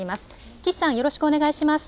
岸さん、よろしくお願いします。